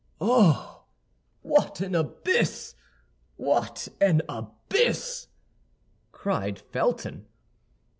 "Oh, what an abyss; what an abyss!" cried Felton.